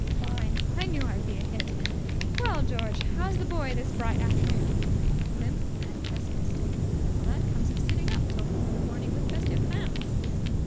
"Fine. I knew I'd be a hit. Well, George, how's the boy this bright afternoon?" "Limp and pessimistic." "That comes of sitting up till four in the morning with festive hams."